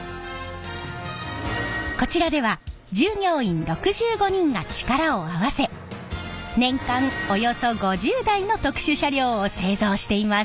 こちらでは従業員６５人が力を合わせ年間およそ５０台の特殊車両を製造しています！